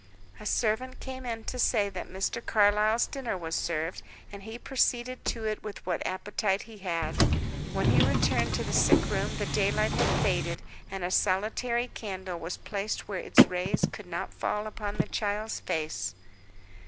A servant came to say that Mr. Carlyle's dinner was served, and he proceeded to it with what appetite he had. When he returned to the sick room the daylight had faded, and a solitary candle was placed where its rays could not fall upon the child's face.